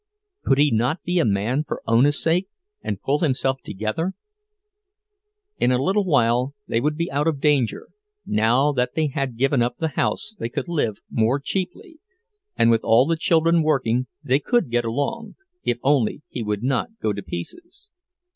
Could he not be a man for Ona's sake, and pull himself together? In a little while they would be out of danger—now that they had given up the house they could live more cheaply, and with all the children working they could get along, if only he would not go to pieces.